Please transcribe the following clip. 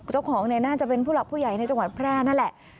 เจ้าของเนี่ยน่าจะเป็นผู้หลักผู้ใหญ่ในจังหวัดแพร่นั่นแหละ